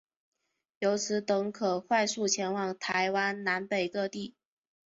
由此等可快速前往台湾南北各地。